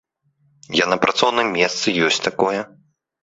Я на працоўным месцы, ёсць такое.